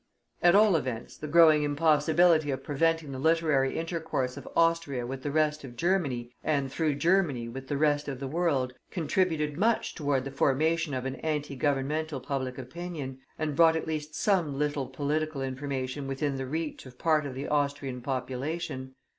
At all events the growing impossibility of preventing the literary intercourse of Austria with the rest of Germany, and through Germany with the rest of the world, contributed much toward the formation of an anti Governmental public opinion, and brought at least some little political information within the reach of part of the Austrian population.